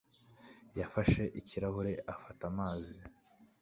yafashe ikirahure afata amazi.